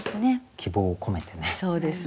希望を込めてね。